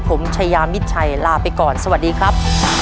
ผมชายามิจฉัยแล้วนะครับ